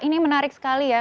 ini menarik sekali ya